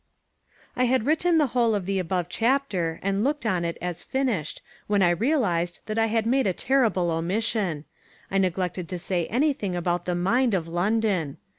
I had written the whole of the above chapter and looked on it as finished when I realised that I had made a terrible omission. I neglected to say anything about the Mind of London.